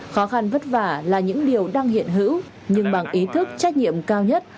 khó khăn vất vả là những điều đang hiện hữu nhưng bằng ý thức trách nhiệm cao nhất